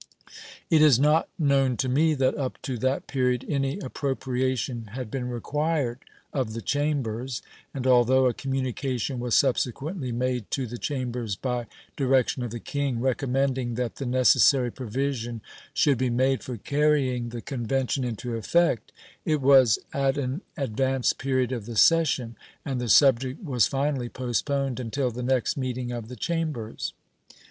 It is not known to me that up to that period any appropriation had been required of the Chambers, and although a communication was subsequently made to the Chambers by direction of the King, recommending that the necessary provision should be made for carrying the convention into effect, it was at an advanced period of the session, and the subject was finally postponed until the next meeting of the Chambers.